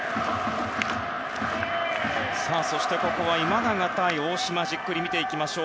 そして、ここは今永対大島をじっくり見ていきましょう。